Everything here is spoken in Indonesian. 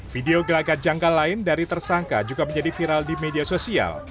video gelagat janggal lain dari tersangka juga menjadi viral di media sosial